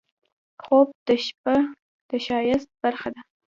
خوب د شپه د ښایست برخه ده